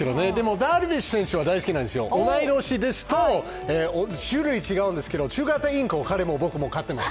ダルビッシュ選手は大好きなんですよ、同い年ですと種類違うんですけど、中型インコを彼も飼っています。